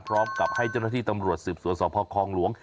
พร้อมกับให้เจ้าหน้าที่ตำรวจสืบสวนสพคลองหลวง